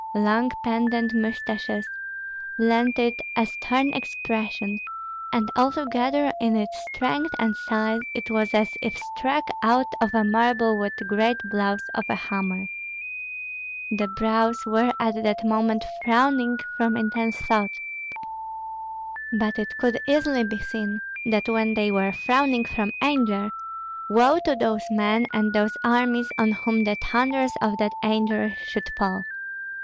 Long pendent mustaches lent it a stern expression, and altogether in its strength and size it was as if struck out of marble with great blows of a hammer. The brows were at that moment frowning from intense thought; but it could easily be seen that when they were frowning from anger, woe to those men and those armies on whom the thunders of that anger should fall.